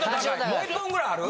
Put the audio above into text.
もう１本ぐらいある？